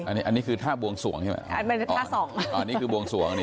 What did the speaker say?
อันนี้คือท่าบวงสวงใช่ไหมอันนี้คือบวงสวง